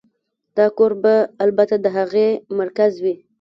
دا کور به البته د هغې مرکز وي